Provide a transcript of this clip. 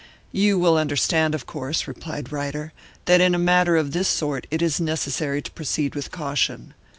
"You will understand, of course," replied Ryder, "that in a matter of this sort it is necessary to proceed with caution.